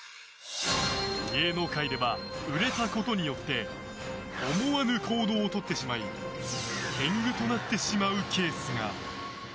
芸能界では売れたことによって思わぬ行動をとってしまい天狗となってしまうケースが。